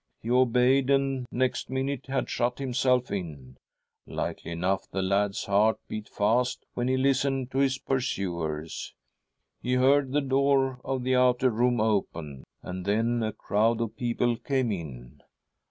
He obeyed, and next minute had shut himself in. Likely enough the lad's heart beat fast when he listened to his pursuers. He heard the door of the outer room open, and then a crowd of people came in.